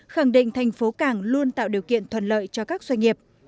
khẳng định thành phố cảng luôn tạo điều kiện thuận lợi cho các doanh nghiệp